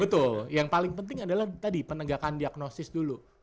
betul yang paling penting adalah tadi penegakan diagnosis dulu